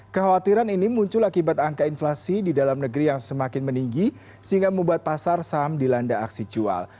kekhawatiran ini muncul akibat angka inflasi di dalam negeri yang semakin meninggi sehingga membuat pasar saham dilanda aksi jual